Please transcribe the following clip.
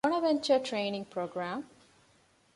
ބޮނަވެންޗަރ ޓްރެއިނިންގ ޕްރޮގްރާމް